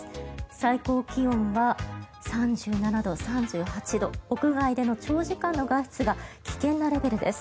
最高気温は３７度、３８度屋外での長時間の外出が危険なレベルです。